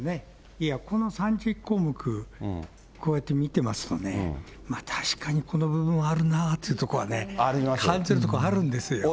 いやこの３０項目、こうやって見てますとね、確かにこの部分はあるなというところは、感じるところはあるんですよ。